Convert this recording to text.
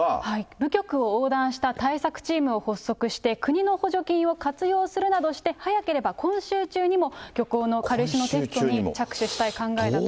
部局を横断した対策チームを発足して、国の補助金を活用するなどして、早ければ今週中にも漁港の軽石の撤去に着手したい考えだと。